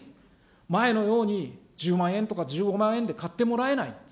前のように、１０万円とか１５万円で買ってもらえないんです。